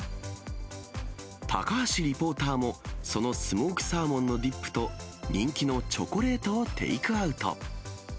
高橋リポーターも、そのスモークサーモンのディップと、人気のチョコレートをテイクアウト。